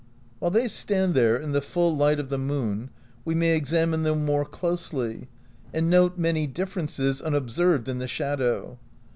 While they stand there in the full light of the moon, we may examine them more closely and note many differences unob served in the shadow.